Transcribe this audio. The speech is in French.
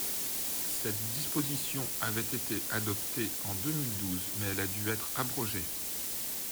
Cette disposition avait été adoptée en deux mille douze, mais elle a dû être abrogée.